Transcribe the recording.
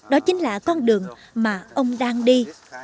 đó chính là con đường mà ông đang đi